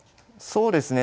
そうですね。